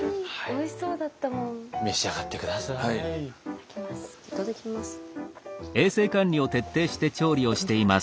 いただきます。